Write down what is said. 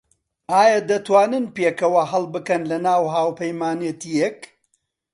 ئایا دەتوانن پێکەوە هەڵبکەن لەناو هاوپەیمانێتییەک؟